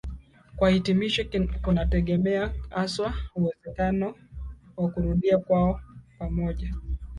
kwa hitimisho kunategemea haswa uwezekano wa kurudia kwao pamoja